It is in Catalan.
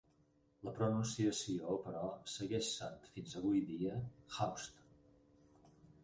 La pronunciació, però, segueix sent fins avui dia "howston".